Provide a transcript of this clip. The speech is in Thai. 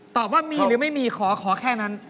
ตอบว่ามีหรือไม่มีขอขอแค่นั้น